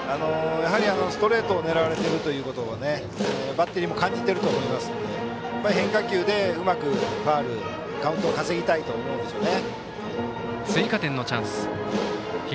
やはり、ストレートを狙われているということをバッテリーも感じてると思うので変化球でうまくファウルにしてカウントを稼ぎたいと思うんでしょうね。